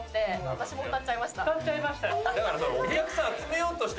「歌っちゃいました」